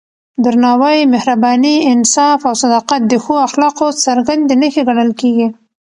درناوی، مهرباني، انصاف او صداقت د ښو اخلاقو څرګندې نښې ګڼل کېږي.